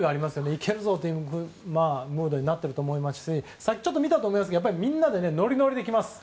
いけるぞというムードになっていると思いますしさっき見たと思いますがみんなでノリノリできます。